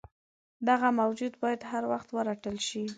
دغه موجود باید هروخت ورټل شي.